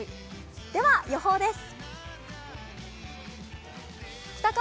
では予報です。